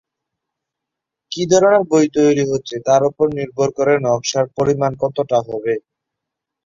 কী ধরনের বই তৈরি হচ্ছে তার ওপর নির্ভর করে নকশার পরিমাণ কতটা হবে।